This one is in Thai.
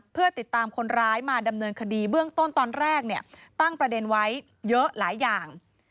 เพื่อติดตามคนร้ายมาดำเนินคดีเบื้องต้นตอนแรกเนี่ยตั้งประเด็นไว้เยอะหลายอย่าง